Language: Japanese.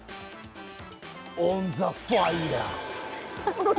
オン・ザ・ファイアー。